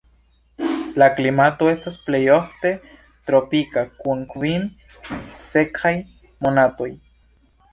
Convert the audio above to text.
La klimato estas plejofte tropika kun kvin sekaj monatoj.